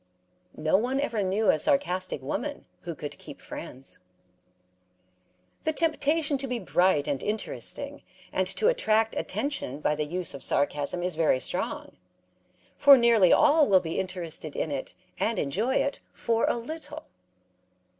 'No one ever knew a sarcastic woman who could keep friends. The temptation to be bright and interesting and to attract attention by the use of sarcasm is very strong, for nearly all will be interested in it and enjoy it for a little.